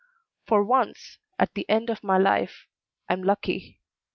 For once, at the end of my life, I am lucky.